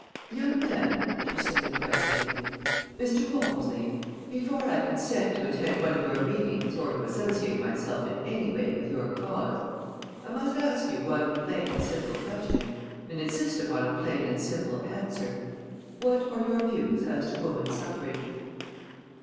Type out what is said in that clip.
"Young man," she said impressively; "Mr. Walmsley, before I consent to attend one of your meetings or to associate myself in any way with your cause, I must ask you one plain and simple question, and insist upon a plain and simple answer: What are your views as to Woman Suffrage?"